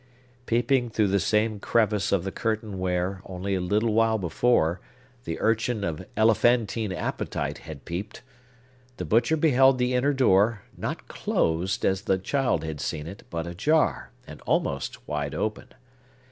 Peeping through the same crevice of the curtain where, only a little while before, the urchin of elephantine appetite had peeped, the butcher beheld the inner door, not closed, as the child had seen it, but ajar, and almost wide open.